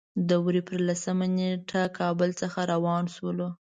د وري په لسمه نېټه کابل څخه روان شولو.